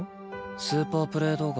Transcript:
スーパープレー動画。